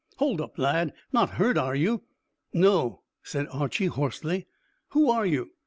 "Hold up, lad. Not hurt, are you?" "No," said Archy hoarsely. "Who are you?